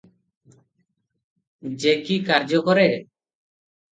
ଯେ କି କାର୍ଯ୍ୟ କରେ ।